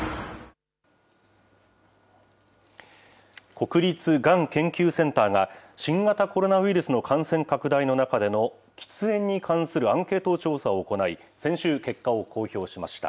国立がん研究センターが新型コロナウイルスの感染拡大の中での喫煙に関するアンケート調査を行い、先週、結果を公表しました。